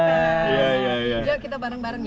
yuk kita bareng bareng ya